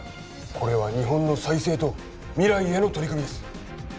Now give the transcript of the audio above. これは日本の再生と未来への取り組みです